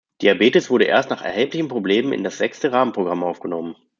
Diabetes wurde erst nach erheblichen Problemen in das Sechste Rahmenprogramm aufgenommen.